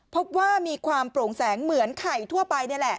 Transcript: พบว่ามีความโปร่งแสงเหมือนไข่ทั่วไปนี่แหละ